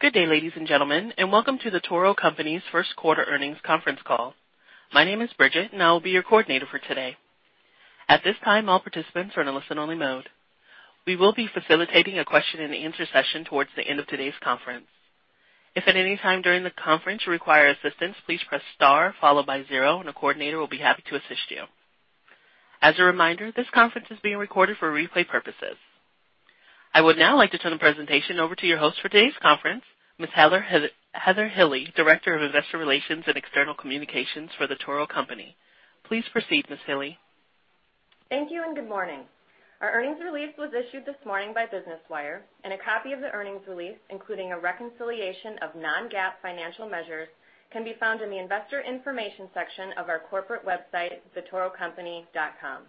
Good day, ladies and gentlemen, and welcome to The Toro Company's first quarter earnings conference call. My name is Bridget, and I will be your coordinator for today. At this time, all participants are in a listen-only mode. We will be facilitating a question and answer session towards the end of today's conference. If, at any time during the conference you require assistance, please press star followed by zero, and a coordinator will be happy to assist you. As a reminder, this conference is being recorded for replay purposes. I would now like to turn the presentation over to your host for today's conference, Ms. Heather Hille, Director of Investor Relations and External Communications for The Toro Company. Please proceed, Ms. Hille. Thank you. Good morning. Our earnings release was issued this morning by Business Wire, and a copy of the earnings release, including a reconciliation of non-GAAP financial measures, can be found in the Investor Information section of our corporate website, thetorocompany.com.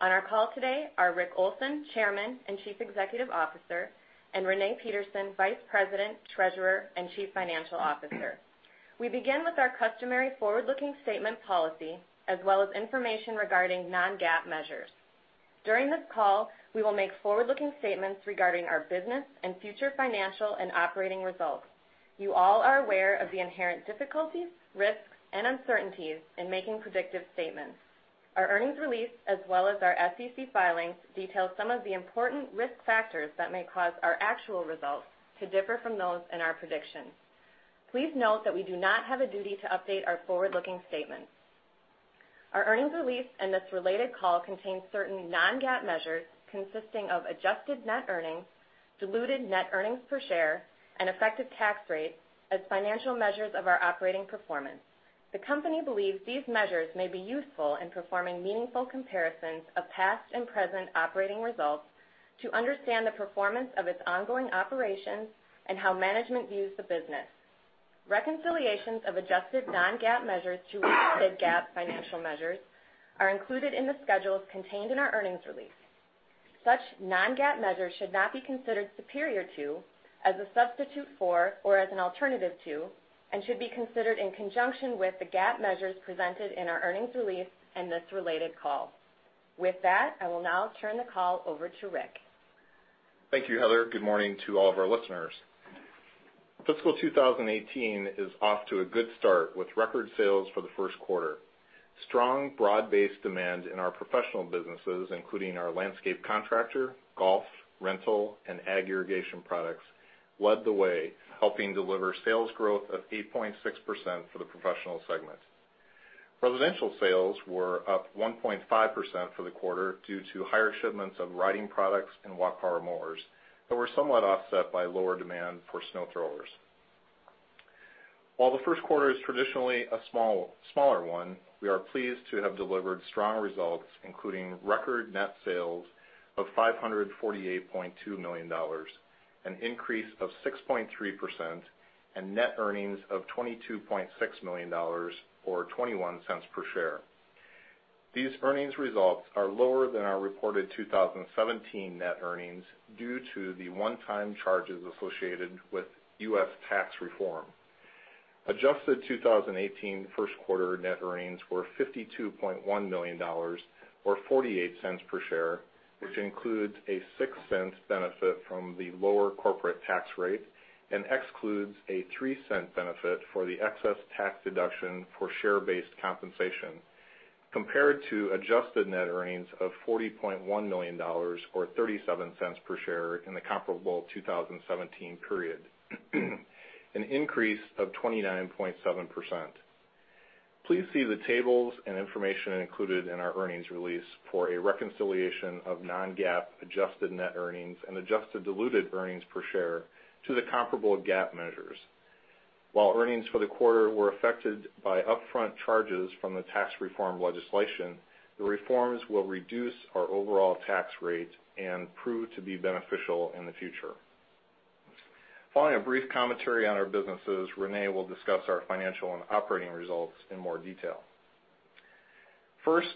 On our call today are Rick Olson, Chairman and Chief Executive Officer, and Renee Peterson, Vice President, Treasurer, and Chief Financial Officer. We begin with our customary forward-looking statement policy, as well as information regarding non-GAAP measures. During this call, we will make forward-looking statements regarding our business and future financial and operating results. You all are aware of the inherent difficulties, risks, and uncertainties in making predictive statements. Our earnings release, as well as our SEC filings, detail some of the important risk factors that may cause our actual results to differ from those in our predictions. Please note that we do not have a duty to update our forward-looking statements. Our earnings release and this related call contain certain non-GAAP measures consisting of adjusted net earnings, diluted net earnings per share, and effective tax rate as financial measures of our operating performance. The company believes these measures may be useful in performing meaningful comparisons of past and present operating results to understand the performance of its ongoing operations and how management views the business. Reconciliations of adjusted non-GAAP measures to GAAP financial measures are included in the schedules contained in our earnings release. Such non-GAAP measures should not be considered superior to, as a substitute for, or as an alternative to, and should be considered in conjunction with the GAAP measures presented in our earnings release and this related call. With that, I will now turn the call over to Rick. Thank you, Heather. Good morning to all of our listeners. Fiscal 2018 is off to a good start with record sales for the first quarter. Strong, broad-based demand in our professional businesses, including our landscape contractor, golf, rental, and ag irrigation products, led the way, helping deliver sales growth of 8.6% for the professional segment. Residential sales were up 1.5% for the quarter due to higher shipments of riding products and walk power mowers that were somewhat offset by lower demand for snow throwers. While the first quarter is traditionally a smaller one, we are pleased to have delivered strong results, including record net sales of $548.2 million, an increase of 6.3%, and net earnings of $22.6 million, or $0.21 per share. These earnings results are lower than our reported 2017 net earnings due to the one-time charges associated with U.S. tax reform. Adjusted 2018 first quarter net earnings were $52.1 million, or $0.48 per share, which includes a $0.06 benefit from the lower corporate tax rate and excludes a $0.03 benefit for the excess tax deduction for share-based compensation. Compared to adjusted net earnings of $40.1 million, or $0.37 per share in the comparable 2017 period, an increase of 29.7%. Please see the tables and information included in our earnings release for a reconciliation of non-GAAP adjusted net earnings and adjusted diluted earnings per share to the comparable GAAP measures. While earnings for the quarter were affected by upfront charges from the tax reform legislation, the reforms will reduce our overall tax rate and prove to be beneficial in the future. Following a brief commentary on our businesses, Renee will discuss our financial and operating results in more detail. First,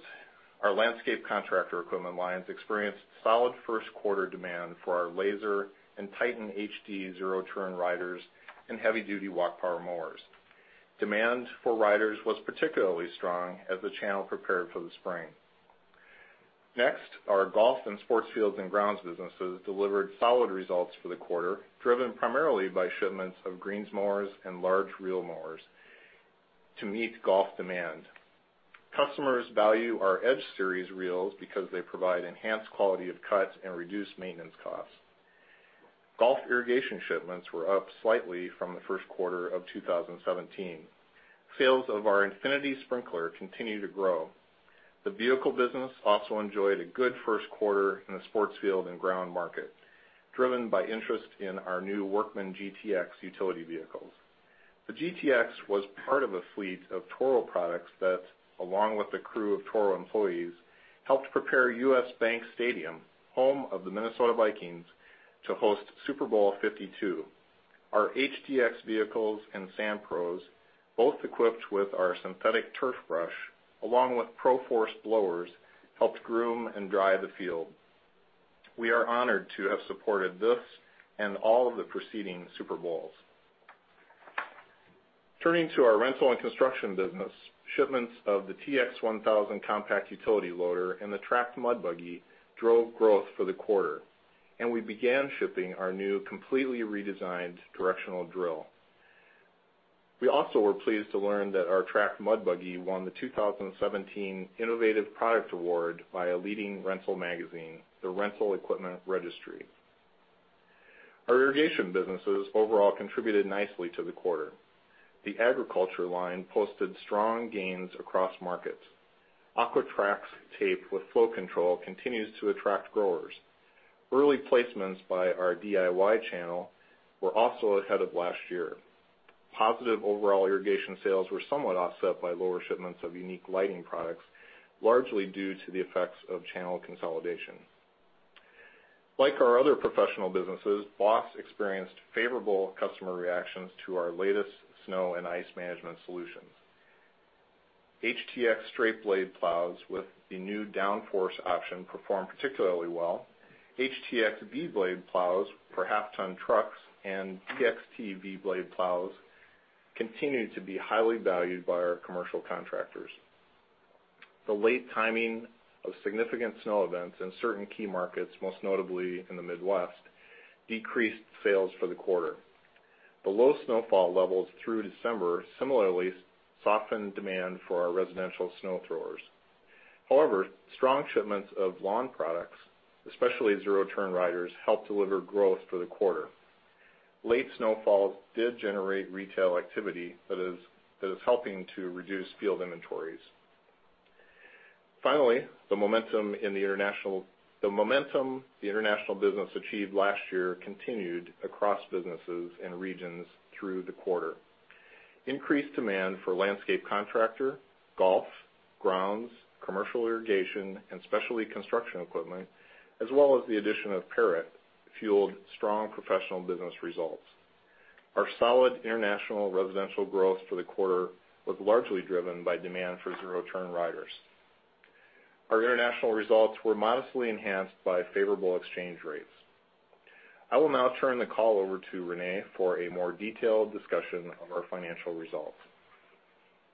our landscape contractor equipment lines experienced solid first quarter demand for our Lazer and Titan HD zero-turn riders and heavy-duty walk power mowers. Demand for riders was particularly strong as the channel prepared for the spring. Next, our golf and sports fields and grounds businesses delivered solid results for the quarter, driven primarily by shipments of greens mowers and large reel mowers to meet golf demand. Customers value our EdgeSeries reels because they provide enhanced quality of cuts and reduced maintenance costs. Golf irrigation shipments were up slightly from the first quarter of 2017. Sales of our INFINITY sprinkler continue to grow. The vehicle business also enjoyed a good first quarter in the sports field and ground market, driven by interest in our new Workman GTX utility vehicles. The GTX was part of a fleet of Toro products that, along with a crew of Toro employees, helped prepare U.S. Bank Stadium, home of the Minnesota Vikings, to host Super Bowl LII. Our HDX vehicles and SandPros, both equipped with our synthetic turf brush, along with Pro Force blowers, helped groom and dry the field. We are honored to have supported this and all of the preceding Super Bowls. Turning to our rental and construction business, shipments of the TX 1000 compact utility loader and the tracked mud buggy drove growth for the quarter, and we began shipping our new completely redesigned directional drill. We also were pleased to learn that our tracked mud buggy won the 2017 Innovative Product Award by a leading rental magazine, the Rental Equipment Register. Our irrigation businesses overall contributed nicely to the quarter. The agriculture line posted strong gains across markets. Aqua-Traxx tape with flow control continues to attract growers. Early placements by our DIY channel were also ahead of last year. Positive overall irrigation sales were somewhat offset by lower shipments of Unique lighting products, largely due to the effects of channel consolidation. Like our other professional businesses, BOSS experienced favorable customer reactions to our latest snow and ice management solutions. HTX straight blade plows with the new downforce option performed particularly well. HTX V blade plows for half-ton trucks and DXT V blade plows continue to be highly valued by our commercial contractors. The late timing of significant snow events in certain key markets, most notably in the Midwest, decreased sales for the quarter. The low snowfall levels through December similarly softened demand for our residential snow throwers. However, strong shipments of lawn products, especially zero-turn riders, helped deliver growth for the quarter. Late snowfalls did generate retail activity that is helping to reduce field inventories. Finally, the momentum the international business achieved last year continued across businesses and regions through the quarter. Increased demand for landscape contractor, golf, grounds, commercial irrigation, and specialty construction equipment, as well as the addition of Perrot, fueled strong professional business results. Our solid international residential growth for the quarter was largely driven by demand for zero-turn riders. Our international results were modestly enhanced by favorable exchange rates. I will now turn the call over to Renee for a more detailed discussion of our financial results.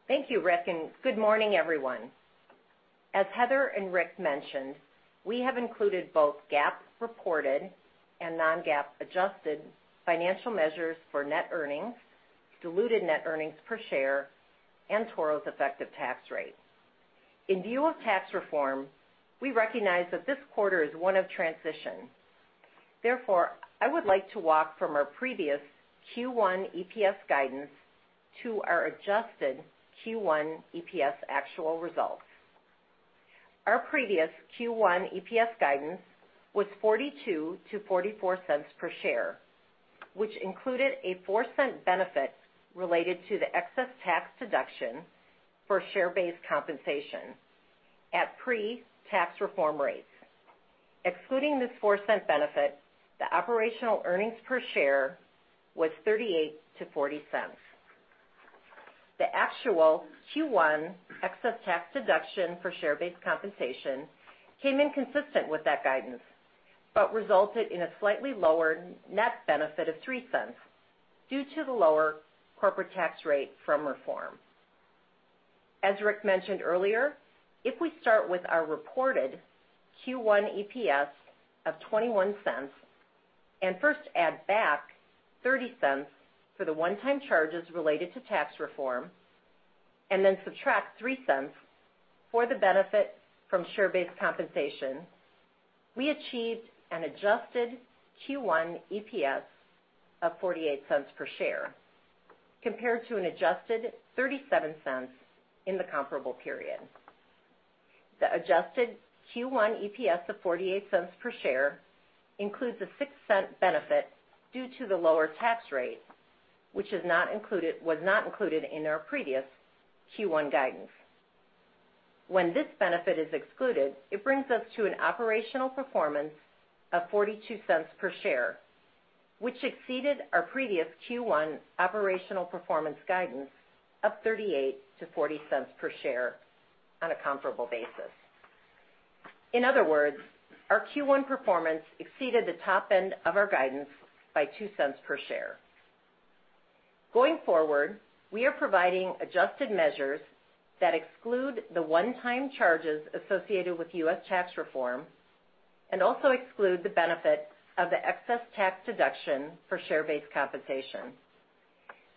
Thank you, Rick, and good morning, everyone. As Heather and Rick mentioned, we have included both GAAP-reported and non-GAAP adjusted financial measures for net earnings, diluted net earnings per share, and Toro's effective tax rate. In view of tax reform, we recognize that this quarter is one of transition. Therefore, I would like to walk from our previous Q1 EPS guidance to our adjusted Q1 EPS actual results. Our previous Q1 EPS guidance was $0.42-$0.44 per share, which included a $0.04 benefit related to the excess tax deduction for share-based compensation at pre-tax reform rates. Excluding this $0.04 benefit, the operational earnings per share was $0.38-$0.40. The actual Q1 excess tax deduction for share-based compensation came in consistent with that guidance but resulted in a slightly lower net benefit of $0.03 due to the lower corporate tax rate from reform. As Rick mentioned earlier, if we start with our reported Q1 EPS of $0.21 and first add back $0.30 for the one-time charges related to tax reform, and then subtract $0.03 for the benefit from share-based compensation, we achieved an adjusted Q1 EPS of $0.48 per share compared to an adjusted $0.37 in the comparable period. The adjusted Q1 EPS of $0.48 per share includes a $0.06 benefit due to the lower tax rate, which was not included in our previous Q1 guidance. When this benefit is excluded, it brings us to an operational performance of $0.42 per share, which exceeded our previous Q1 operational performance guidance of $0.38-$0.40 per share on a comparable basis. In other words, our Q1 performance exceeded the top end of our guidance by $0.02 per share. Going forward, we are providing adjusted measures that exclude the one-time charges associated with U.S. tax reform and also exclude the benefit of the excess tax deduction for share-based compensation.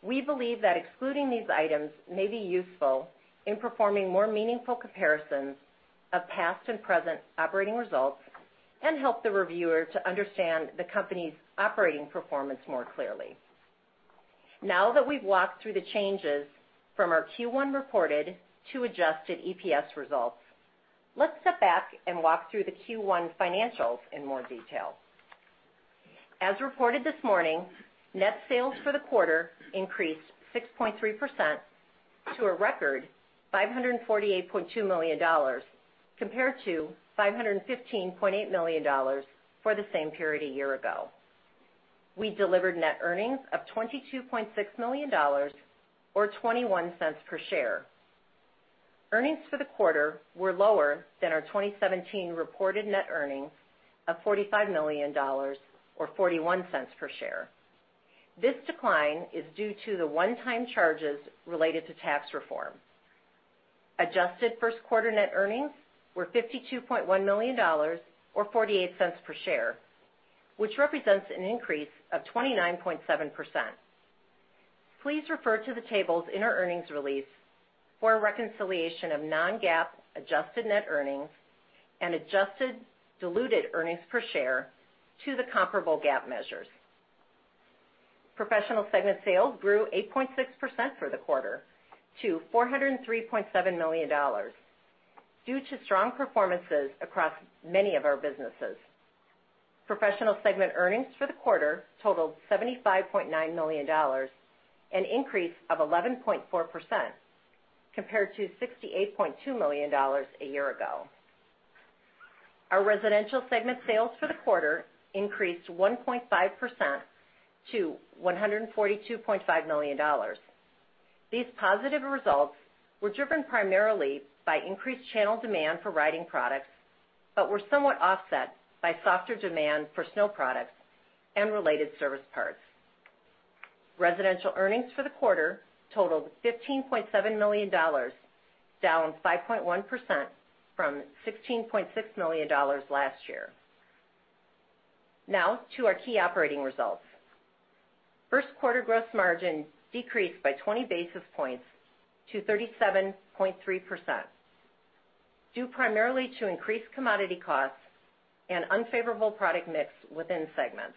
We believe that excluding these items may be useful in performing more meaningful comparisons of past and present operating results and help the reviewer to understand the company's operating performance more clearly. Now that we've walked through the changes from our Q1 reported to adjusted EPS results, let's step back and walk through the Q1 financials in more detail. As reported this morning, net sales for the quarter increased 6.3% to a record $548.2 million, compared to $515.8 million for the same period a year ago. We delivered net earnings of $22.6 million, or $0.21 per share. Earnings for the quarter were lower than our 2017 reported net earnings of $45 million or $0.41 per share. This decline is due to the one-time charges related to tax reform. Adjusted first quarter net earnings were $52.1 million or $0.48 per share, which represents an increase of 29.7%. Please refer to the tables in our earnings release for a reconciliation of non-GAAP adjusted net earnings and adjusted diluted earnings per share to the comparable GAAP measures. Professional segment sales grew 8.6% for the quarter to $403.7 million due to strong performances across many of our businesses. Professional segment earnings for the quarter totaled $75.9 million, an increase of 11.4% compared to $68.2 million a year ago. Our residential segment sales for the quarter increased 1.5% to $142.5 million. These positive results were driven primarily by increased channel demand for riding products, but were somewhat offset by softer demand for snow products and related service parts. Residential earnings for the quarter totaled $15.7 million, down 5.1% from $16.6 million last year. Now to our key operating results. First quarter gross margin decreased by 20 basis points to 37.3%, due primarily to increased commodity costs and unfavorable product mix within segments.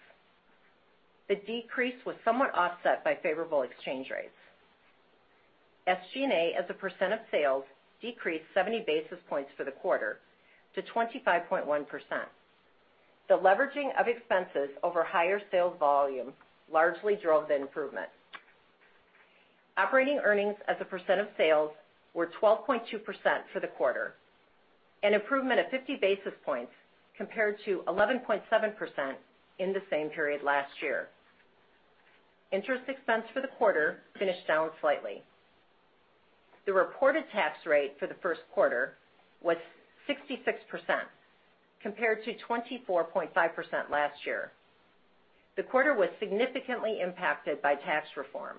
The decrease was somewhat offset by favorable exchange rates. SG&A as a percent of sales decreased 70 basis points for the quarter to 25.1%. The leveraging of expenses over higher sales volume largely drove the improvement. Operating earnings as a percent of sales were 12.2% for the quarter, an improvement of 50 basis points compared to 11.7% in the same period last year. Interest expense for the quarter finished down slightly. The reported tax rate for the first quarter was 66% compared to 24.5% last year. The quarter was significantly impacted by tax reform.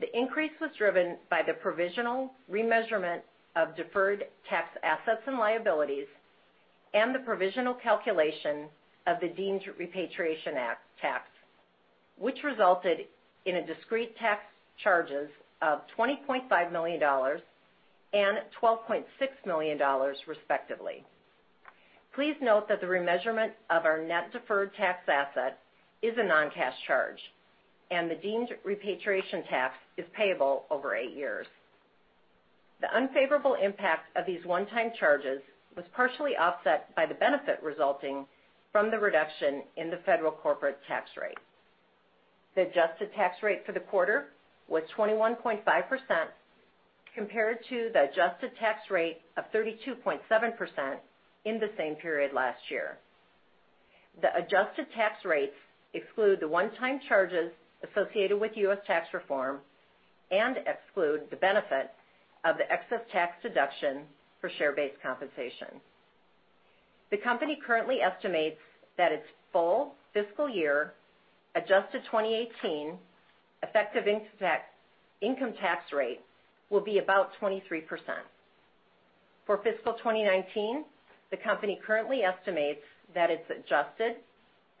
The increase was driven by the provisional remeasurement of deferred tax assets and liabilities and the provisional calculation of the deemed repatriation tax, which resulted in discrete tax charges of $20.5 million and $12.6 million, respectively. Please note that the remeasurement of our net deferred tax asset is a non-cash charge, and the deemed repatriation tax is payable over eight years. The unfavorable impact of these one-time charges was partially offset by the benefit resulting from the reduction in the federal corporate tax rate. The adjusted tax rate for the quarter was 21.5% compared to the adjusted tax rate of 32.7% in the same period last year. The adjusted tax rates exclude the one-time charges associated with U.S. tax reform and exclude the benefit of the excess tax deduction for share-based compensation. The company currently estimates that its full fiscal year adjusted 2018 effective income tax rate will be about 23%. For fiscal 2019, the company currently estimates that its adjusted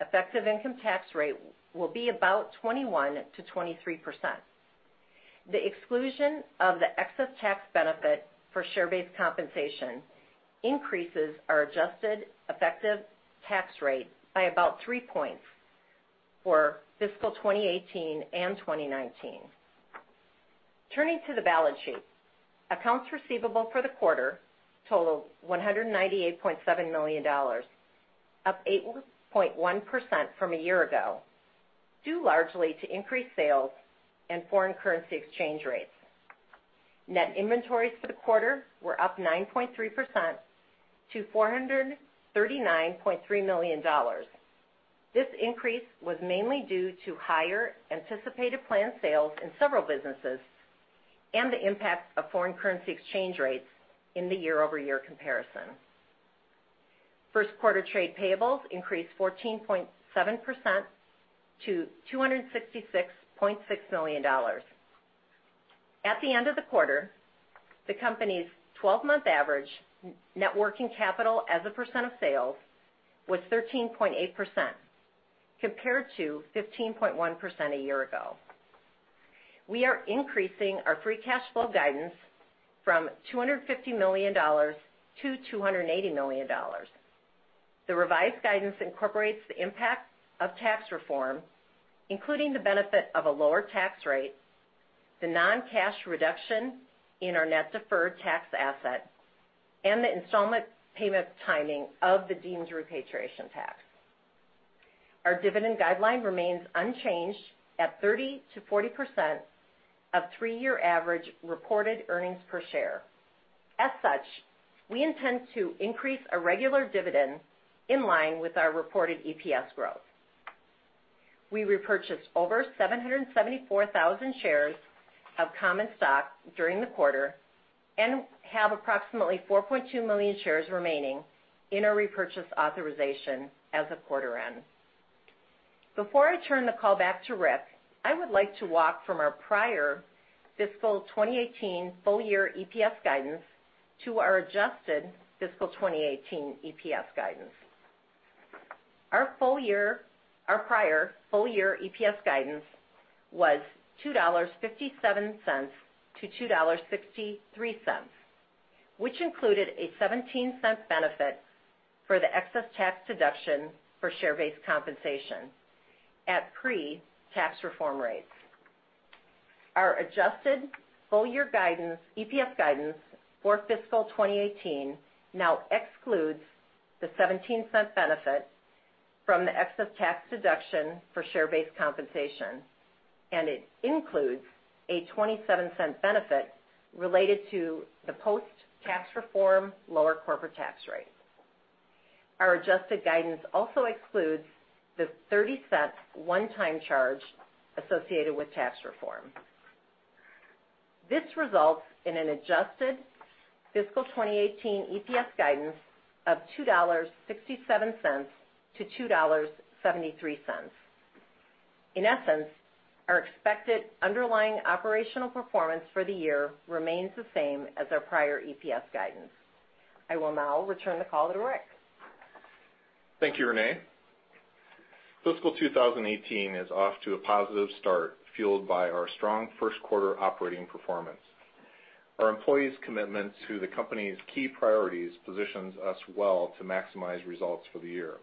effective income tax rate will be about 21%-23%. The exclusion of the excess tax benefit for share-based compensation increases our adjusted effective tax rate by about three points for fiscal 2018 and 2019. Turning to the balance sheet. Accounts receivable for the quarter totaled $198.7 million, up 8.1% from a year ago, due largely to increased sales and foreign currency exchange rates. Net inventories for the quarter were up 9.3% to $439.3 million. This increase was mainly due to higher anticipated planned sales in several businesses and the impact of foreign currency exchange rates in the year-over-year comparison. First quarter trade payables increased 14.7% to $266.6 million. At the end of the quarter, the company's 12-month average net working capital as a percent of sales was 13.8% compared to 15.1% a year ago. We are increasing our free cash flow guidance from $250 million to $280 million. The revised guidance incorporates the impact of tax reform, including the benefit of a lower tax rate, the non-cash reduction in our net deferred tax asset, and the installment payment timing of the deemed repatriation tax. Our dividend guideline remains unchanged at 30% to 40% of three-year average reported earnings per share. As such, we intend to increase our regular dividend in line with our reported EPS growth. We repurchased over 774,000 shares of common stock during the quarter and have approximately 4.2 million shares remaining in our repurchase authorization as of quarter end. Before I turn the call back to Rick, I would like to walk from our prior fiscal 2018 full year EPS guidance to our adjusted fiscal 2018 EPS guidance. Our prior full year EPS guidance was $2.57 to $2.63, which included a $0.17 benefit for the excess tax deduction for share-based compensation at pre-tax reform rates. Our adjusted full year EPS guidance for fiscal 2018 now excludes the $0.17 benefit from the excess tax deduction for share-based compensation, and it includes a $0.27 benefit related to the post-tax reform lower corporate tax rate. Our adjusted guidance also excludes the $0.30 one-time charge associated with tax reform. This results in an adjusted fiscal 2018 EPS guidance of $2.67 to $2.73. In essence, our expected underlying operational performance for the year remains the same as our prior EPS guidance. I will now return the call to Rick. Thank you, Renee. Fiscal 2018 is off to a positive start, fueled by our strong first quarter operating performance. Our employees' commitment to the company's key priorities positions us well to maximize results for the year.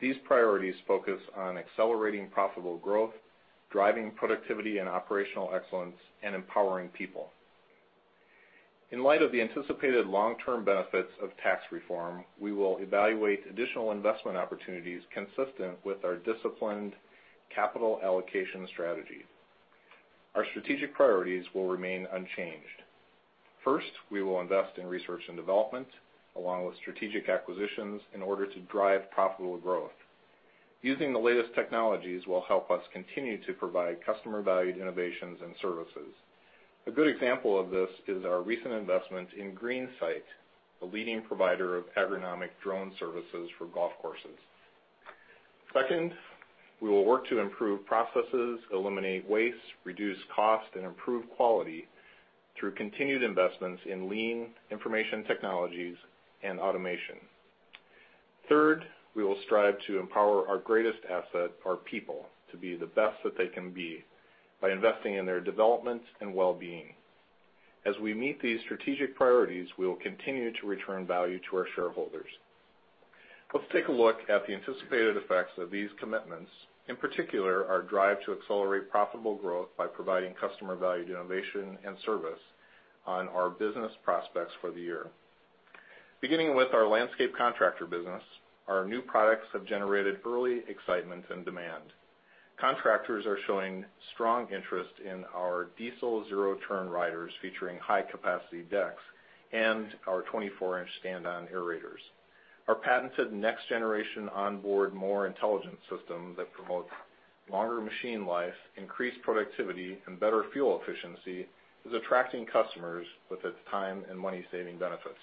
These priorities focus on accelerating profitable growth, driving productivity and operational excellence, and empowering people. In light of the anticipated long-term benefits of tax reform, we will evaluate additional investment opportunities consistent with our disciplined capital allocation strategy. Our strategic priorities will remain unchanged. First, we will invest in research and development, along with strategic acquisitions in order to drive profitable growth. Using the latest technologies will help us continue to provide customer valued innovations and services. A good example of this is our recent investment in GreenSight, the leading provider of agronomic drone services for golf courses. Second, we will work to improve processes, eliminate waste, reduce cost, and improve quality through continued investments in lean information technologies and automation. Third, we will strive to empower our greatest asset, our people, to be the best that they can be by investing in their development and wellbeing. As we meet these strategic priorities, we will continue to return value to our shareholders. Let's take a look at the anticipated effects of these commitments, in particular, our drive to accelerate profitable growth by providing customer valued innovation and service on our business prospects for the year. Beginning with our landscape contractor business, our new products have generated early excitement and demand. Contractors are showing strong interest in our diesel zero-turn riders, featuring high capacity decks and our 24-inch stand-on aerators. Our patented next generation onboard mower intelligence system that promotes longer machine life, increased productivity, and better fuel efficiency is attracting customers with its time and money saving benefits.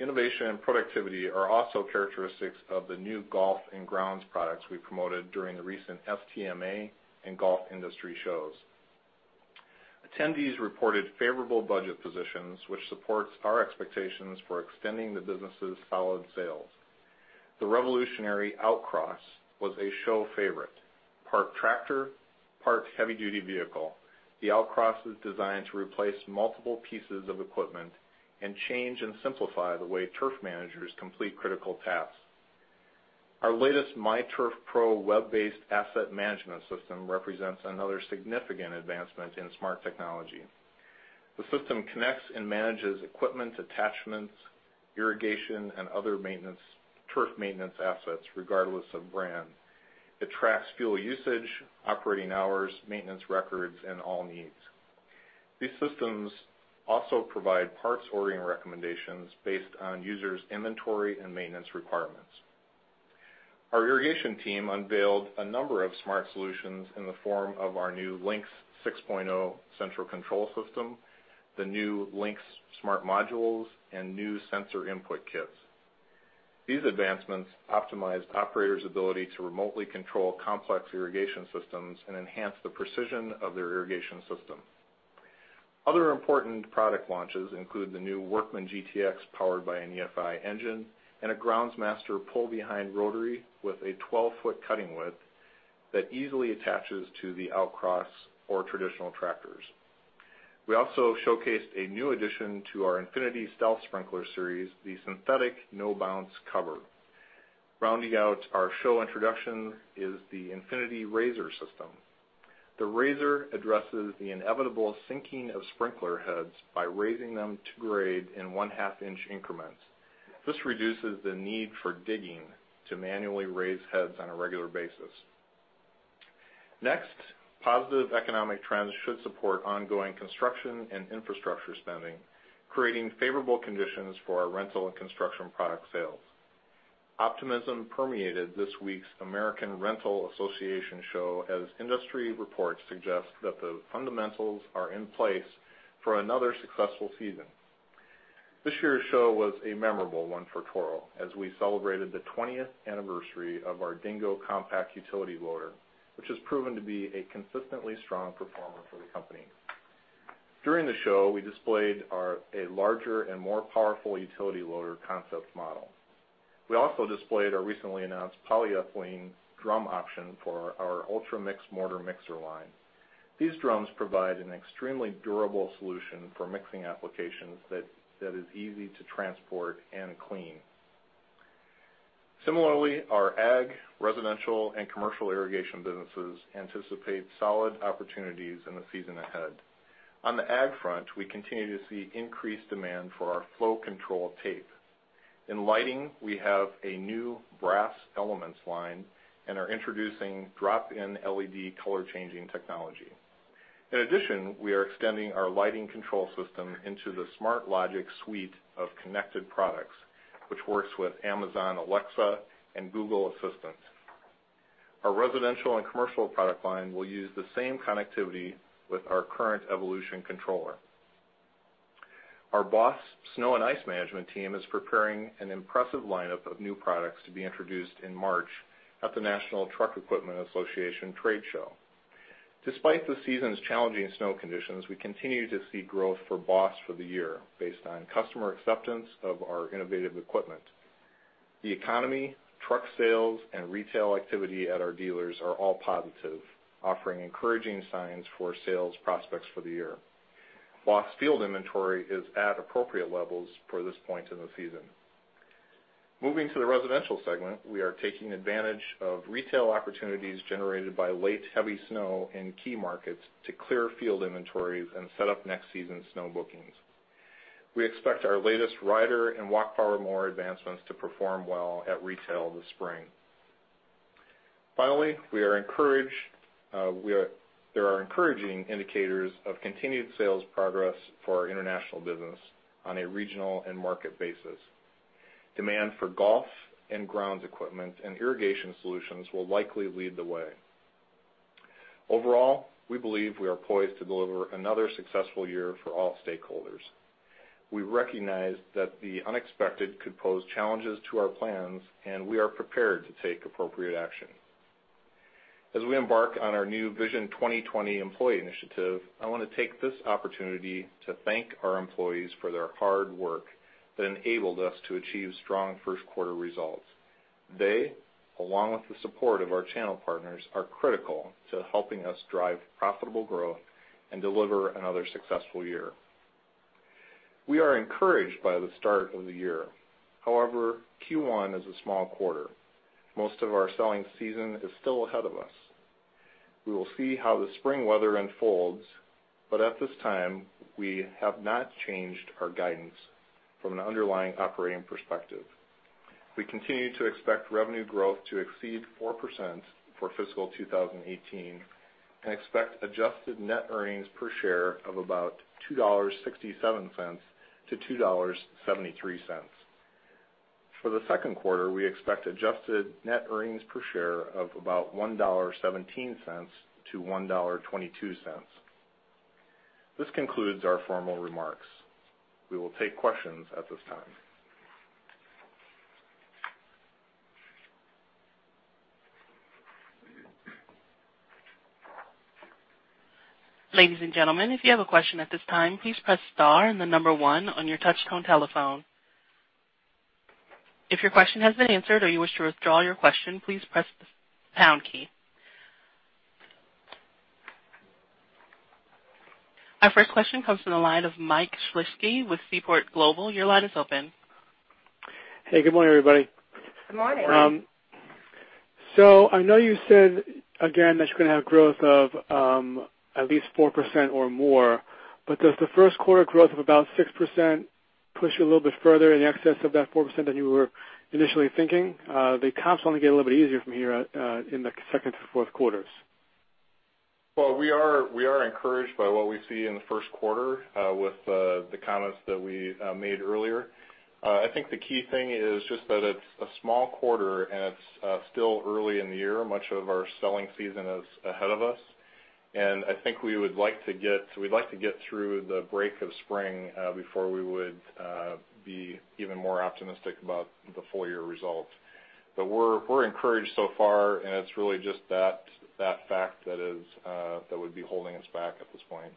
Innovation and productivity are also characteristics of the new golf and grounds products we promoted during the recent FTMA and golf industry shows. Attendees reported favorable budget positions, which supports our expectations for extending the business's solid sales. The revolutionary Outcross was a show favorite. Part tractor, part heavy duty vehicle, the Outcross is designed to replace multiple pieces of equipment and change and simplify the way turf managers complete critical tasks. Our latest myTurf Pro web-based asset management system represents another significant advancement in smart technology. The system connects and manages equipment, attachments, irrigation, and other turf maintenance assets, regardless of brand. It tracks fuel usage, operating hours, maintenance records, and all needs. These systems also provide parts ordering recommendations based on users' inventory and maintenance requirements. Our irrigation team unveiled a number of smart solutions in the form of our new Lynx 6.0 central control system, the new Lynx smart modules, and new sensor input kits. These advancements optimize operators' ability to remotely control complex irrigation systems and enhance the precision of their irrigation system. Other important product launches include the new Workman GTX powered by an EFI engine and a Groundsmaster pull-behind rotary with a 12-foot cutting width that easily attaches to the Outcross or traditional tractors. We also showcased a new addition to our INFINITY Stealth Sprinkler series, the synthetic no bounce cover. Rounding out our show introduction is the INFINITY Razor system. The Razor addresses the inevitable sinking of sprinkler heads by raising them to grade in one-half inch increments. This reduces the need for digging to manually raise heads on a regular basis. Positive economic trends should support ongoing construction and infrastructure spending, creating favorable conditions for our rental and construction product sales. Optimism permeated this week's American Rental Association show, as industry reports suggest that the fundamentals are in place for another successful season. This year's show was a memorable one for Toro as we celebrated the 20th anniversary of our Dingo compact utility loader, which has proven to be a consistently strong performer for the company. During the show, we displayed a larger and more powerful utility loader concept model. We also displayed our recently announced polyethylene drum option for our UltraMix mortar mixer line. These drums provide an extremely durable solution for mixing applications that is easy to transport and clean. Our ag, residential, and commercial irrigation businesses anticipate solid opportunities in the season ahead. On the ag front, we continue to see increased demand for our flow control tape. In lighting, we have a new brass elements line and are introducing drop-in LED color-changing technology. In addition, we are extending our lighting control system into the SMRT Logic suite of connected products, which works with Amazon Alexa and Google Assistant. Our residential and commercial product line will use the same connectivity with our current EVOLUTION controller. Our BOSS snow and ice management team is preparing an impressive lineup of new products to be introduced in March at the National Truck Equipment Association trade show. Despite the season's challenging snow conditions, we continue to see growth for BOSS for the year based on customer acceptance of our innovative equipment. The economy, truck sales, and retail activity at our dealers are all positive, offering encouraging signs for sales prospects for the year. BOSS field inventory is at appropriate levels for this point in the season. We are taking advantage of retail opportunities generated by late heavy snow in key markets to clear field inventories and set up next season's snow bookings. We expect our latest rider and walk power mower advancements to perform well at retail this spring. There are encouraging indicators of continued sales progress for our international business on a regional and market basis. Demand for golf and grounds equipment and irrigation solutions will likely lead the way. Overall, we believe we are poised to deliver another successful year for all stakeholders. We recognize that the unexpected could pose challenges to our plans, and we are prepared to take appropriate action. As we embark on our new Vision 2020 employee initiative, I want to take this opportunity to thank our employees for their hard work that enabled us to achieve strong first quarter results. They, along with the support of our channel partners, are critical to helping us drive profitable growth and deliver another successful year. We are encouraged by the start of the year. Q1 is a small quarter. Most of our selling season is still ahead of us. We will see how the spring weather unfolds, but at this time, we have not changed our guidance from an underlying operating perspective. We continue to expect revenue growth to exceed 4% for fiscal 2018 and expect adjusted net earnings per share of about $2.67-$2.73. For the second quarter, we expect adjusted net earnings per share of about $1.17-$1.22. This concludes our formal remarks. We will take questions at this time. Ladies and gentlemen, if you have a question at this time, please press star and the number 1 on your touchtone telephone. If your question has been answered or you wish to withdraw your question, please press the pound key. Our first question comes from the line of Mike Shlisky with Seaport Global. Your line is open. Good morning, everybody. Good morning. I know you said, again, that you're going to have growth of at least 4% or more, but does the first quarter growth of about 6% push you a little bit further in excess of that 4% that you were initially thinking? The comps only get a little bit easier from here in the second to fourth quarters. We are encouraged by what we see in the first quarter with the comments that we made earlier. I think the key thing is just that it's a small quarter, and it's still early in the year. Much of our selling season is ahead of us. I think we'd like to get through the break of spring before we would be even more optimistic about the full-year results. We're encouraged so far, and it's really just that fact that would be holding us back at this point.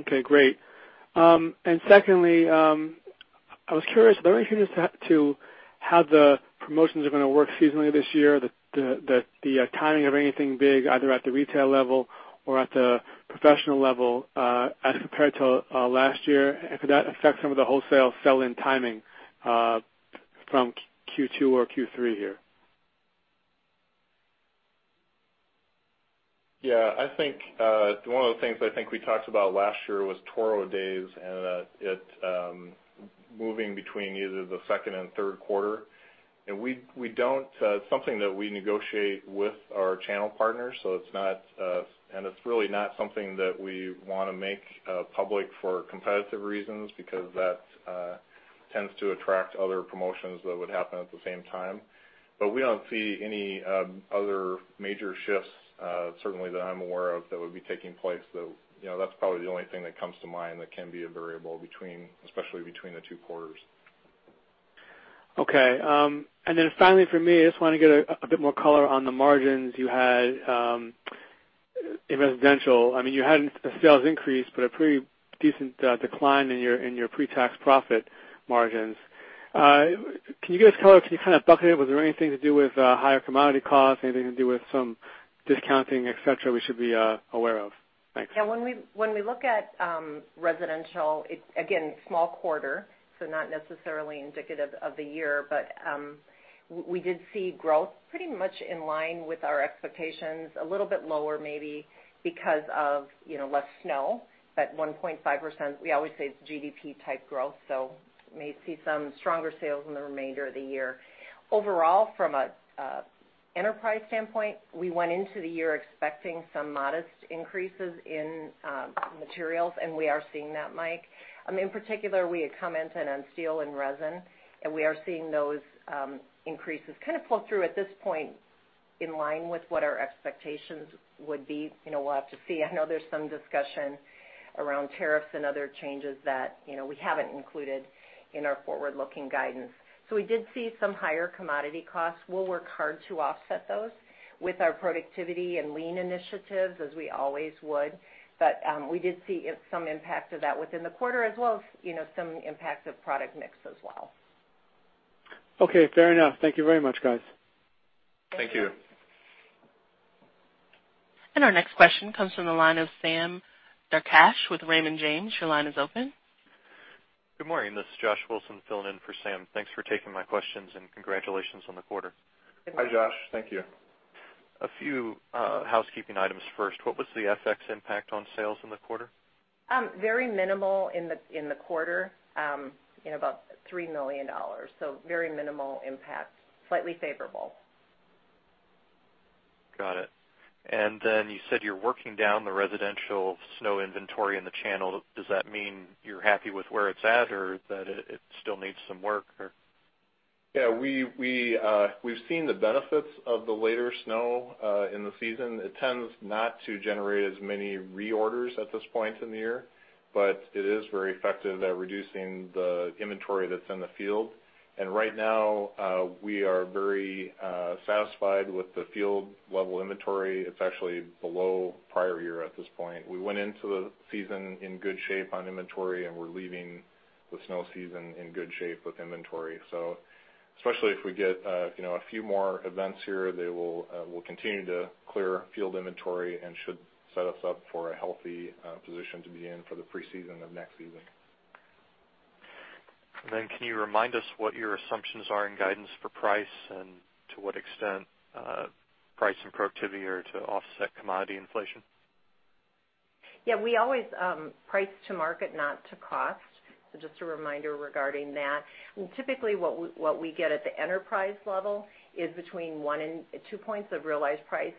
Okay, great. Secondly, I was curious if there anything to how the promotions are going to work seasonally this year, the timing of anything big, either at the retail level or at the professional level as compared to last year? Could that affect some of the wholesale sell-in timing from Q2 or Q3 here? Yeah, one of the things I think we talked about last year was Toro Days, and it moving between either the second and third quarter. It's something that we negotiate with our channel partners, and it's really not something that we want to make public for competitive reasons, because that tends to attract other promotions that would happen at the same time. We don't see any other major shifts, certainly that I'm aware of, that would be taking place. That's probably the only thing that comes to mind that can be a variable, especially between the two quarters. Okay. Finally from me, I just want to get a bit more color on the margins you had in residential. You had a sales increase, but a pretty decent decline in your pre-tax profit margins. Can you give us color? Can you kind of bucket it? Was there anything to do with higher commodity costs? Anything to do with some discounting, et cetera, we should be aware of? Thanks. Yeah. When we look at residential, it's again, small quarter, so not necessarily indicative of the year. We did see growth pretty much in line with our expectations. A little bit lower, maybe because of less snow. That 1.5%, we always say it's GDP type growth, so may see some stronger sales in the remainder of the year. Overall, from an enterprise standpoint, we went into the year expecting some modest increases in materials. We are seeing that, Mike. In particular, we had commented on steel and resin. We are seeing those increases kind of pull through at this point in line with what our expectations would be. We'll have to see. I know there's some discussion around tariffs and other changes that we haven't included in our forward-looking guidance. We did see some higher commodity costs. We'll work hard to offset those with our productivity and lean initiatives as we always would. We did see some impact of that within the quarter as well as some impact of product mix as well. Okay, fair enough. Thank you very much, guys. Thank you. Thank you. Our next question comes from the line of Sam Darkatsh with Raymond James. Your line is open. Good morning. This is Josh Wilson filling in for Sam. Thanks for taking my questions and congratulations on the quarter. Hi, Josh. Thank you. A few housekeeping items first. What was the FX impact on sales in the quarter? Very minimal in the quarter. About $3 million. Very minimal impact, slightly favorable. Got it. Then you said you're working down the residential snow inventory in the channel. Does that mean you're happy with where it's at or that it still needs some work? Yeah. We've seen the benefits of the later snow in the season. It tends not to generate as many reorders at this point in the year, but it is very effective at reducing the inventory that's in the field. Right now, we are very satisfied with the field level inventory. It's actually below prior year at this point. We went into the season in good shape on inventory, and we're leaving the snow season in good shape with inventory. Especially if we get a few more events here, they will continue to clear field inventory and should set us up for a healthy position to be in for the preseason of next season. Then can you remind us what your assumptions are in guidance for price and to what extent price and productivity are to offset commodity inflation? Yeah. We always price to market, not to cost. Just a reminder regarding that. Typically, what we get at the enterprise level is between one and two points of realized price.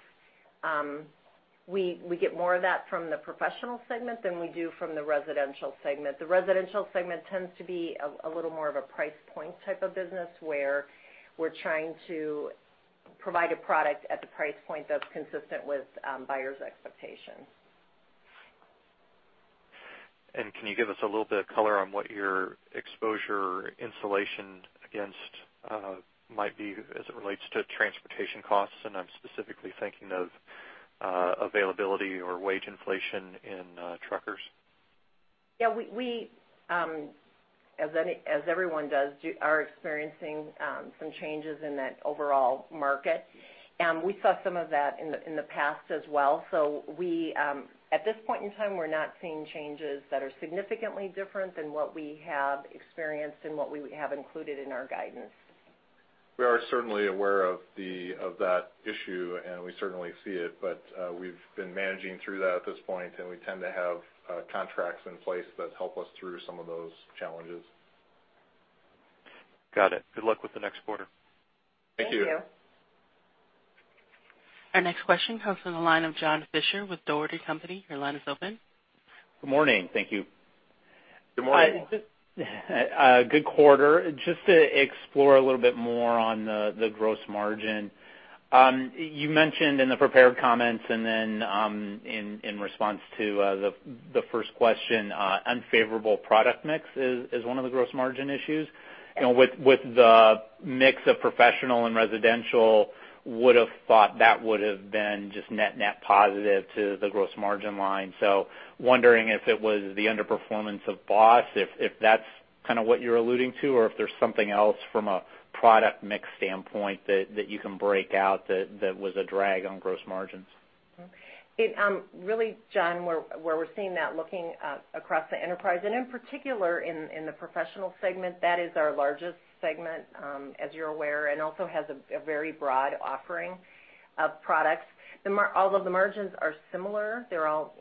We get more of that from the professional segment than we do from the residential segment. The residential segment tends to be a little more of a price point type of business, where we're trying to provide a product at the price point that's consistent with buyers' expectations. Can you give us a little bit of color on what your exposure insulation against might be as it relates to transportation costs? I'm specifically thinking of availability or wage inflation in truckers. Yeah. We, as everyone does, are experiencing some changes in that overall market. We saw some of that in the past as well. At this point in time, we're not seeing changes that are significantly different than what we have experienced and what we have included in our guidance. We are certainly aware of that issue, we certainly see it. We've been managing through that at this point, we tend to have contracts in place that help us through some of those challenges. Got it. Good luck with the next quarter. Thank you. Thank you. Our next question comes from the line of John Fisher with Dougherty & Company. Your line is open. Good morning. Thank you. Good morning. Good quarter. Just to explore a little bit more on the gross margin. You mentioned in the prepared comments and then in response to the first question, unfavorable product mix is one of the gross margin issues. With the mix of professional and residential, would've thought that would've been just net positive to the gross margin line. Wondering if it was the underperformance of BOSS, if that's. kind of what you're alluding to, or if there's something else from a product mix standpoint that you can break out that was a drag on gross margins? Okay, really, John, where we are seeing that looking across the enterprise, and in particular in the professional segment, that is our largest segment, as you are aware, and also has a very broad offering of products. Although the margins are similar, they are all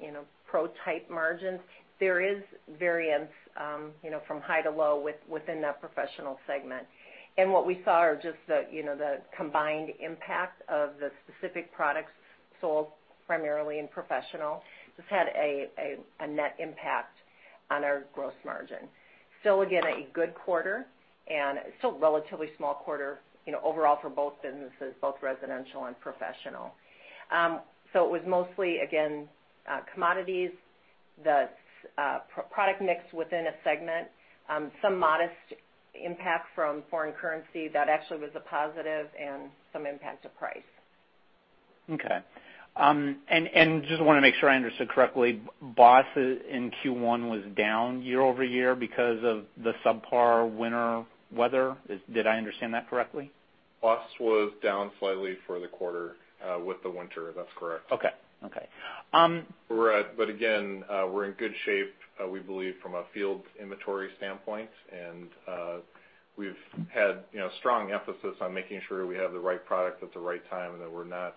pro-type margins. There is variance from high to low within that professional segment. What we saw are just the combined impact of the specific products sold primarily in professional. Just had a net impact on our gross margin. Still, again, a good quarter, and still relatively small quarter, overall for both businesses, both residential and professional. It was mostly, again, commodities, the product mix within a segment, some modest impact from foreign currency that actually was a positive and some impact to price. Okay, just wanna make sure I understood correctly. BOSS in Q1 was down year-over-year because of the subpar winter weather? Did I understand that correctly? BOSS was down slightly for the quarter with the winter, that is correct. Okay. Again, we are in good shape, we believe, from a field inventory standpoint, and we have had strong emphasis on making sure we have the right product at the right time and that we are not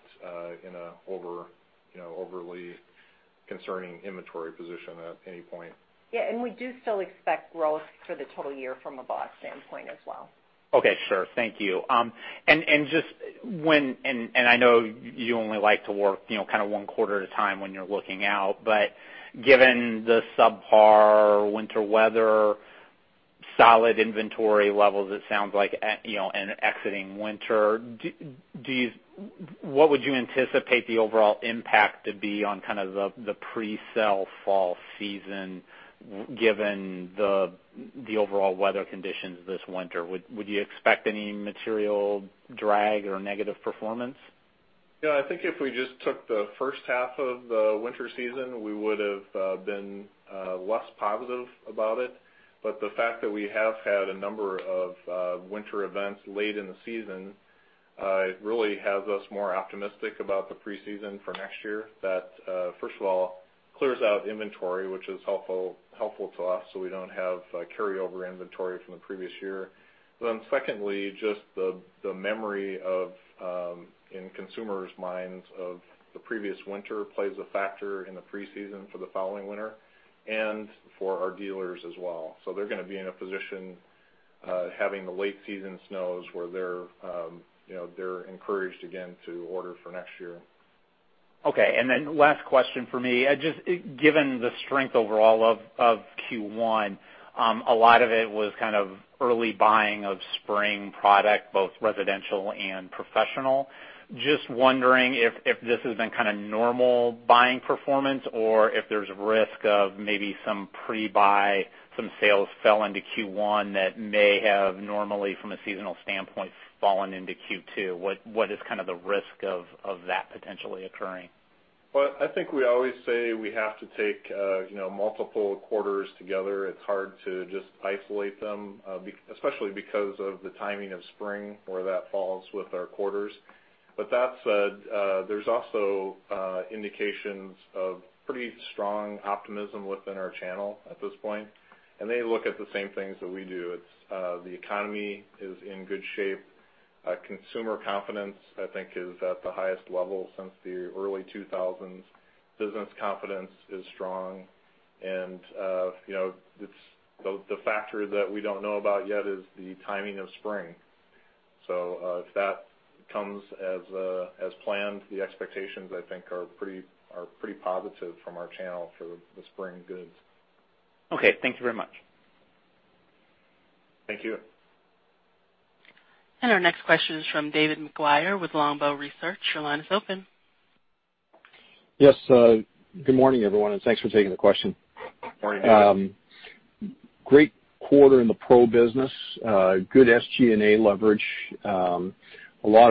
in an overly concerning inventory position at any point. Yeah, we do still expect growth for the total year from a BOSS standpoint as well. Okay, sure. Thank you. I know you only like to work one quarter at a time when you're looking out, but given the subpar winter weather, solid inventory levels, it sounds like, and exiting winter, what would you anticipate the overall impact to be on kind of the pre-sale fall season, given the overall weather conditions this winter? Would you expect any material drag or negative performance? Yeah, I think if we just took the first half of the winter season, we would've been less positive about it. The fact that we have had a number of winter events late in the season, it really has us more optimistic about the preseason for next year. That, first of all, clears out inventory, which is helpful to us so we don't have carryover inventory from the previous year. Secondly, just the memory in consumers' minds of the previous winter plays a factor in the preseason for the following winter, and for our dealers as well. They're gonna be in a position having the late season snows where they're encouraged again to order for next year. Okay, last question for me. Given the strength overall of Q1, a lot of it was kind of early buying of spring product, both residential and professional. Just wondering if this has been kind of normal buying performance or if there's risk of maybe some pre-buy, some sales fell into Q1 that may have normally, from a seasonal standpoint, fallen into Q2. What is kind of the risk of that potentially occurring? I think we always say we have to take multiple quarters together. It's hard to just isolate them, especially because of the timing of spring, where that falls with our quarters. That said, there's also indications of pretty strong optimism within our channel at this point, and they look at the same things that we do. The economy is in good shape. Consumer confidence, I think, is at the highest level since the early 2000s. Business confidence is strong and the factor that we don't know about yet is the timing of spring. If that comes as planned, the expectations, I think, are pretty positive from our channel for the spring goods. Okay, thank you very much. Thank you. Our next question is from David MacGregor with Longbow Research. Your line is open. Yes, good morning, everyone, thanks for taking the question. Morning. Great quarter in the pro business, good SG&A leverage. A lot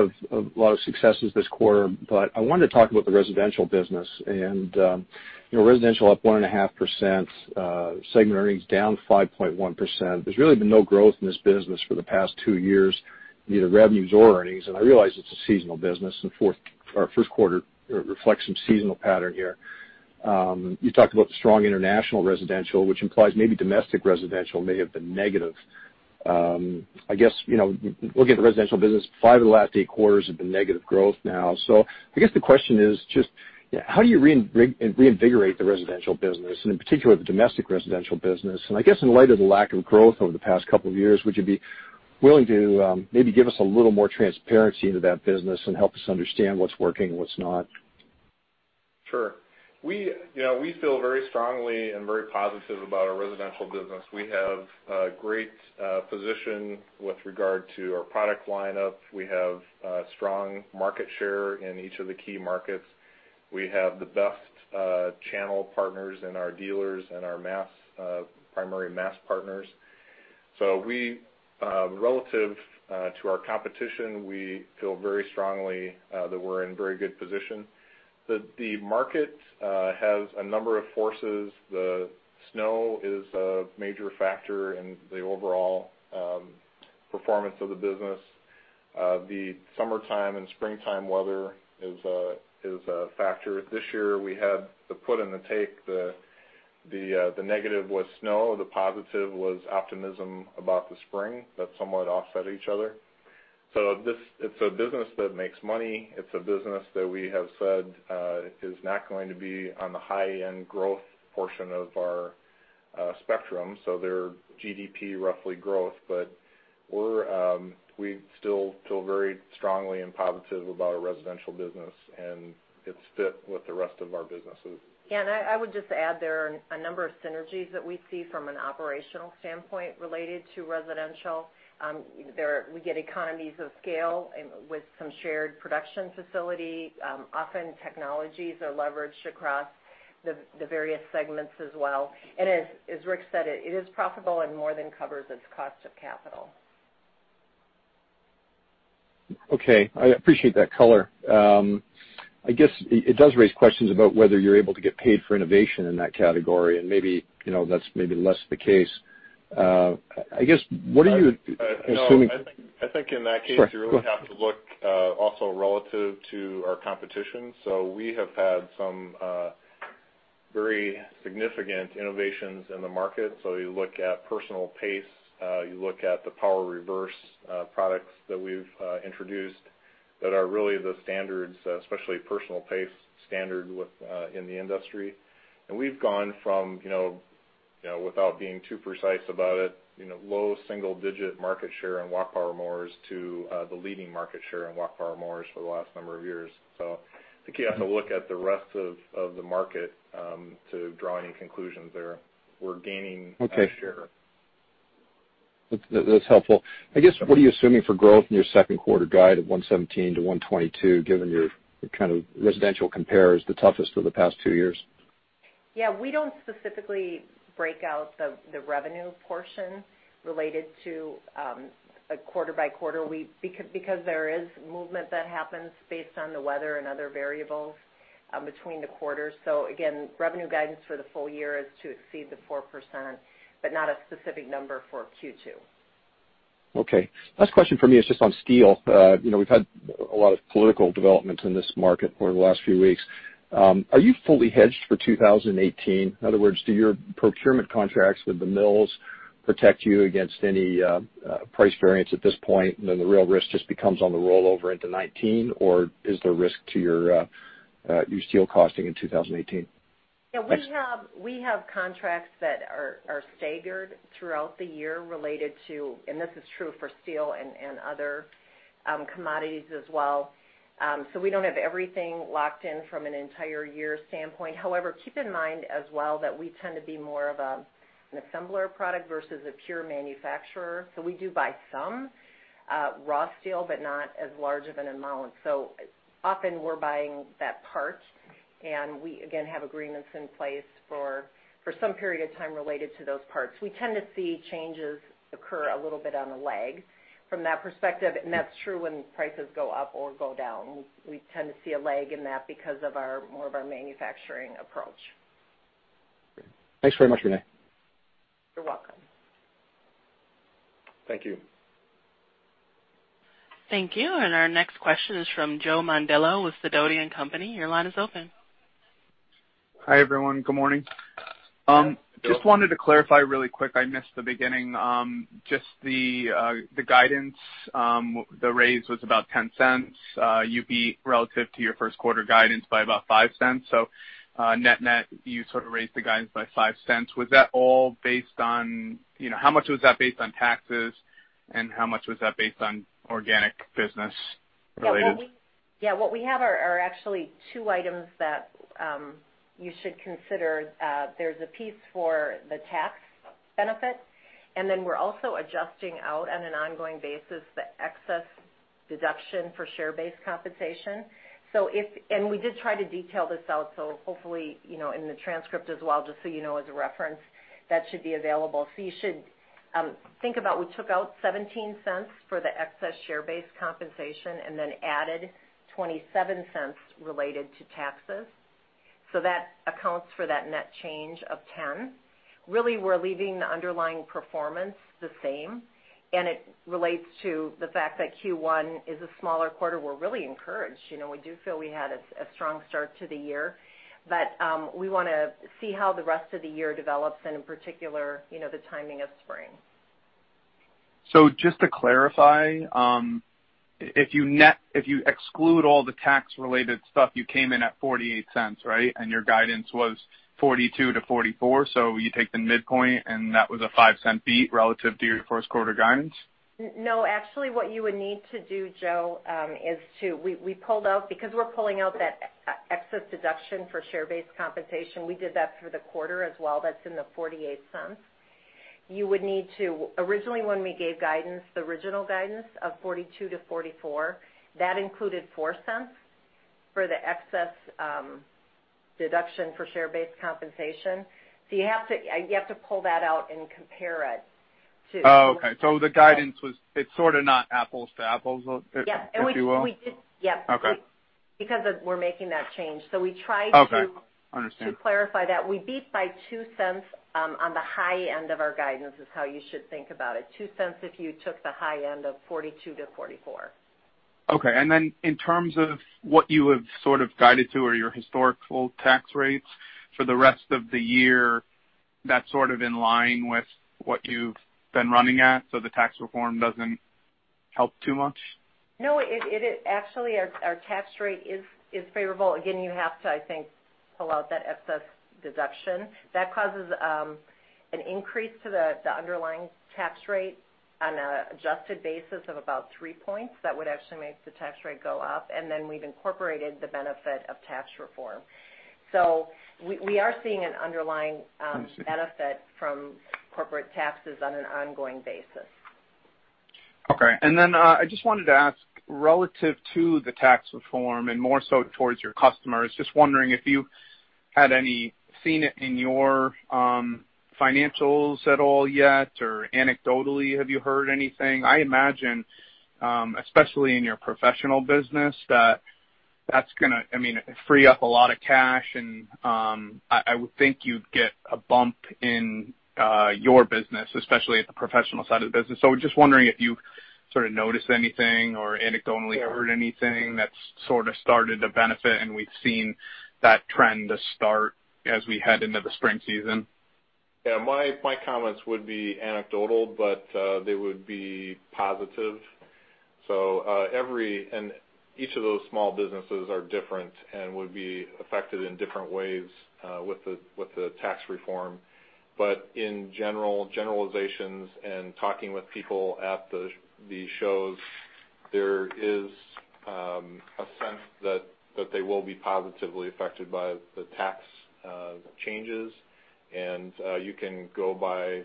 of successes this quarter, I wanted to talk about the residential business. Residential up 1.5%, segment earnings down 5.1%. There's really been no growth in this business for the past two years in either revenues or earnings, I realize it's a seasonal business, and our first quarter reflects some seasonal pattern here. You talked about the strong international residential, which implies maybe domestic residential may have been negative. I guess, looking at the residential business, five of the last eight quarters have been negative growth now. I guess the question is just how do you reinvigorate the residential business, and in particular, the domestic residential business? I guess in light of the lack of growth over the past couple of years, would you be willing to maybe give us a little more transparency into that business and help us understand what's working and what's not? Sure. We feel very strongly and very positive about our residential business. We have a great position with regard to our product lineup. We have strong market share in each of the key markets. We have the best channel partners in our dealers and our primary mass partners. Relative to our competition, we feel very strongly that we're in very good position. The market has a number of forces. The snow is a major factor in the overall performance of the business. The summertime and springtime weather is a factor. This year, we had the put and the take. The negative was snow. The positive was optimism about the spring. That somewhat offset each other. It's a business that makes money. It's a business that we have said, is not going to be on the high-end growth portion of our spectrum. Their GDP, roughly growth. We still feel very strongly and positive about our residential business and its fit with the rest of our businesses. Yeah, I would just add, there are a number of synergies that we see from an operational standpoint related to residential. We get economies of scale with some shared production facility. Often, technologies are leveraged across the various segments as well. As Rick said, it is profitable and more than covers its cost of capital. Okay. I appreciate that color. I guess it does raise questions about whether you're able to get paid for innovation in that category and maybe that's less the case. I guess, what are you assuming? No, I think in that case. Sorry, go ahead. You really have to look also relative to our competition. We have had some very significant innovations in the market. You look at Personal Pace, you look at the Power Reverse products that we've introduced that are really the standards, especially Personal Pace standard in the industry. We've gone from, without being too precise about it, low single-digit market share in walk power mowers to the leading market share in walk power mowers for the last number of years. I think you have to look at the rest of the market to draw any conclusions there. We're gaining. Okay share. That's helpful. I guess, what are you assuming for growth in your second quarter guide of 117-122, given your kind of residential compare is the toughest for the past 2 years? Yeah. We don't specifically break out the revenue portion related to a quarter-by-quarter. There is movement that happens based on the weather and other variables between the quarters. Again, revenue guidance for the full year is to exceed the 4%, but not a specific number for Q2. Okay. Last question from me is just on steel. We've had a lot of political developments in this market over the last few weeks. Are you fully hedged for 2018? In other words, do your procurement contracts with the mills protect you against any price variance at this point, and then the real risk just becomes on the rollover into 2019? Or is there risk to your steel costing in 2018? Yeah. We have contracts that are staggered throughout the year related to, and this is true for steel and other commodities as well. We don't have everything locked in from an entire year standpoint. However, keep in mind as well that we tend to be more of an assembler product versus a pure manufacturer. We do buy some raw steel, but not as large of an amount. Often, we're buying that part, and we, again, have agreements in place for some period of time related to those parts. We tend to see changes occur a little bit on a lag from that perspective, and that's true when prices go up or go down. We tend to see a lag in that because of more of our manufacturing approach. Great. Thanks very much, Renee. You're welcome. Thank you. Thank you. Our next question is from Joe Mondello with Dougherty & Company. Your line is open. Hi, everyone. Good morning. Joe. Just wanted to clarify really quick, I missed the beginning. Just the guidance, the raise was about $0.10. You beat relative to your first quarter guidance by about $0.05. Net-net, you sort of raised the guidance by $0.05. How much was that based on taxes, and how much was that based on organic business related? Yeah. What we have are actually two items that you should consider. There's a piece for the tax benefit. We're also adjusting out on an ongoing basis the excess deduction for share-based compensation. We did try to detail this out. Hopefully, in the transcript as well, just so you know as a reference, that should be available. You should think about, we took out $0.17 for the excess share-based compensation and added $0.27 related to taxes. That accounts for that net change of $0.10. Really, we're leaving the underlying performance the same, and it relates to the fact that Q1 is a smaller quarter. We're really encouraged. We do feel we had a strong start to the year. We want to see how the rest of the year develops and in particular, the timing of spring. Just to clarify, if you exclude all the tax-related stuff, you came in at $0.48, right? Your guidance was $0.42 to $0.44. You take the midpoint, that was a $0.05 beat relative to your first quarter guidance? What you would need to do, Joe, is to, because we're pulling out that excess deduction for share-based compensation, we did that for the quarter as well. That's in the $0.48. Originally, when we gave guidance, the original guidance of $0.42 to $0.44, that included $0.04 for the excess deduction for share-based compensation. You have to pull that out and compare it to- Oh, okay. The guidance was, it's sort of not apples to apples- Yeah. If you will. We did, yep. Okay. Because of we're making that change. Okay. I understand. to clarify that. We beat by $0.02, on the high end of our guidance, is how you should think about it. $0.02 if you took the high end of $0.42-$0.44. Okay. Then in terms of what you have sort of guided to or your historical tax rates for the rest of the year, that's sort of in line with what you've been running at, so the tax reform doesn't help too much? No. Actually, our tax rate is favorable. Again, you have to, I think, pull out that excess deduction. That causes an increase to the underlying tax rate on an adjusted basis of about three points. That would actually make the tax rate go up. Then we've incorporated the benefit of tax reform. We are seeing an underlying- I see benefit from corporate taxes on an ongoing basis. Okay. I just wanted to ask, relative to the tax reform and more so towards your customers, just wondering if you had any seen it in your financials at all yet, or anecdotally, have you heard anything? I imagine, especially in your professional business, that's going to free up a lot of cash and I would think you'd get a bump in your business, especially at the professional side of the business. Just wondering if you've sort of noticed anything or anecdotally heard anything that's sort of started to benefit and we've seen that trend to start as we head into the spring season. Yeah, my comments would be anecdotal, but they would be positive. Every and each of those small businesses are different and would be affected in different ways, with the tax reform. In general, generalizations and talking with people at the shows, there is, a sense that they will be positively affected by the tax changes. You can go by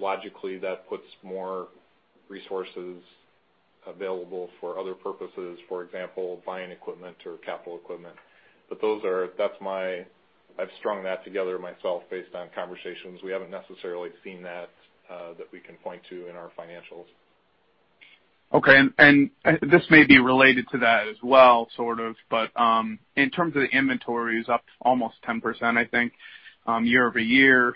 logically that puts more resources available for other purposes. For example, buying equipment or capital equipment. I've strung that together myself based on conversations. We haven't necessarily seen that we can point to in our financials. Okay. This may be related to that as well, sort of, in terms of the inventories up almost 10%, I think, year-over-year.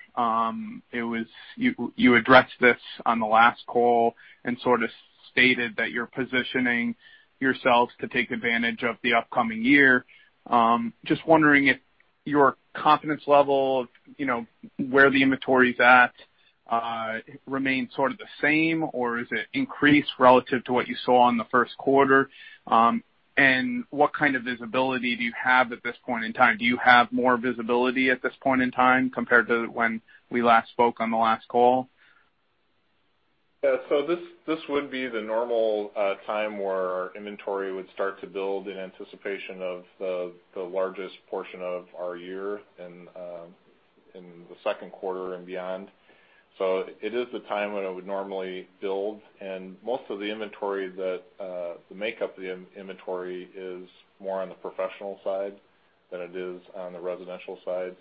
You addressed this on the last call and sort of stated that you're positioning yourselves to take advantage of the upcoming year. Just wondering if your confidence level of where the inventory's at, remains sort of the same, or is it increased relative to what you saw in the first quarter? What kind of visibility do you have at this point in time? Do you have more visibility at this point in time compared to when we last spoke on the last call? This would be the normal time where our inventory would start to build in anticipation of the largest portion of our year in the second quarter and beyond. It is the time when it would normally build, and most of the inventory that, the makeup of the inventory is more on the professional side than it is on the residential side.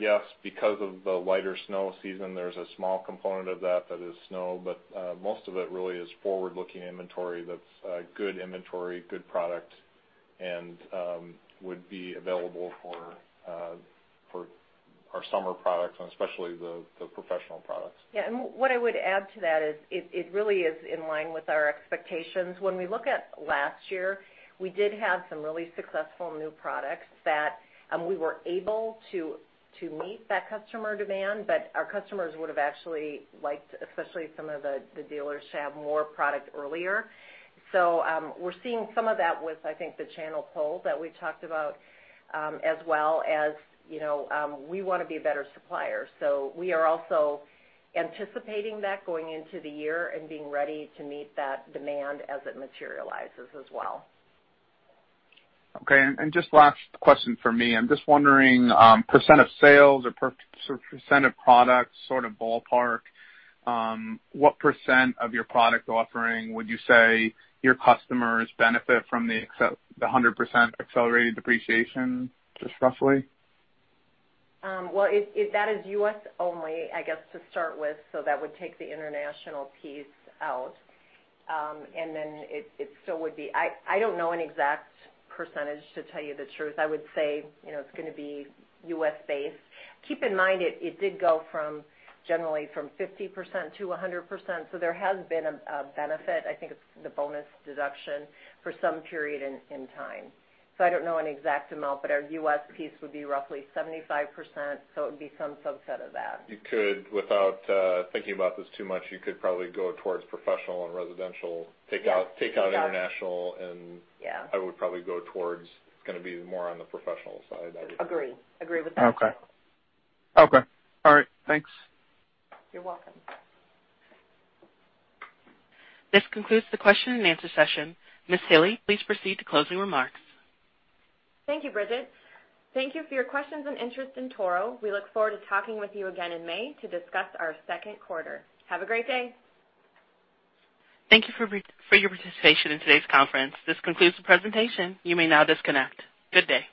Yes, because of the lighter snow season, there's a small component of that that is snow, but most of it really is forward-looking inventory. That's good inventory, good product, and would be available for our summer products and especially the professional products. What I would add to that is it really is in line with our expectations. When we look at last year, we did have some really successful new products that we were able to meet that customer demand, but our customers would've actually liked, especially some of the dealers, to have more product earlier. We're seeing some of that with, I think, the channel pull that we talked about, as well as we wanna be a better supplier. We are also anticipating that going into the year and being ready to meet that demand as it materializes as well. Okay, just last question from me. I'm just wondering, % of sales or sort of % of products, sort of ballpark, what % of your product offering would you say your customers benefit from the 100% accelerated depreciation, just roughly? Well, that is U.S. only, I guess to start with. That would take the international piece out, and then I don't know an exact percentage, to tell you the truth. I would say it's gonna be U.S.-based. Keep in mind it did go from generally from 50% to 100%, there has been a benefit, I think it's the bonus deduction, for some period in time. I don't know an exact amount, but our U.S. piece would be roughly 75%, so it would be some subset of that. You could, without thinking about this too much, you could probably go towards professional and residential. Yeah. Take out international. Yeah I would probably go towards it's gonna be more on the professional side, I would say. Agree. Agree with that. Okay. All right. Thanks. You're welcome. This concludes the question and answer session. Ms. Hille, please proceed to closing remarks. Thank you, Bridget. Thank you for your questions and interest in Toro. We look forward to talking with you again in May to discuss our second quarter. Have a great day. Thank you for your participation in today's conference. This concludes the presentation. You may now disconnect. Good day.